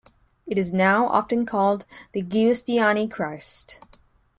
It is now often called the Giustiniani Christ.